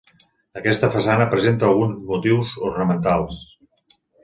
Aquesta façana presenta alguns motius ornamentals.